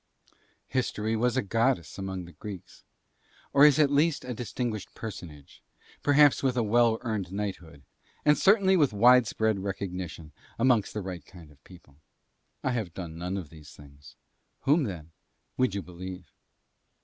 History was a goddess among the Greeks, or is at least a distinguished personage, perhaps with a well earned knighthood, and certainly with widespread recognition amongst the Right Kind of People. I have none of these things. Whom, then, would you believe?